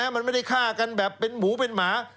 มันไม่ได้ฆ่ากันแบบเป็นหมูเป็นหมา